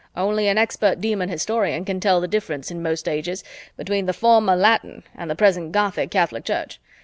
Only an expert Demon historian can tell the difference in most ages between the former Latin and the present Gothic Catholic Church.